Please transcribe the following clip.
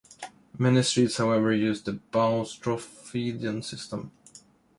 Many streets, however, use the "boustrophedon" system.